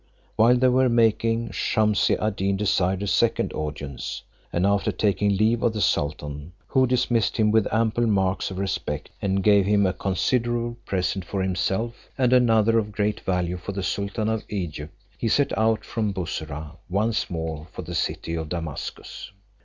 While they were making, Shumse ad Deen desired a second audience, and after taking leave of the sultan, who dismissed him with ample marks of respect, and gave him a considerable present for himself, and another of great value for the sultan of Egypt, he set out from Bussorah once more for the city of Damascus.